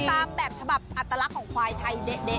ตามแบบฉบับอัตลักษณ์ของควายไทยเด๊ะ